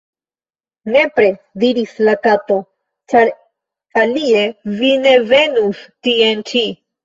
"Nepre," diris la Kato, "ĉar alie vi ne venus tien ĉi."